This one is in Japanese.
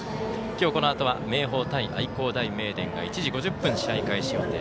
今日、このあとは明豊対愛工大名電が１時５０分、試合開始予定。